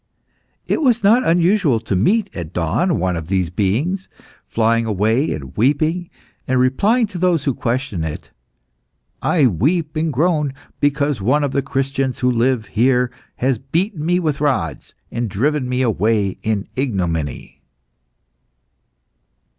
It was not unusual to meet at dawn one of these beings, flying away and weeping, and replying to those who questioned it, "I weep and groan because one of the Christians who live here has beaten me with rods, and driven me away in ignominy."